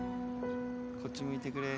こっち向いてくれ。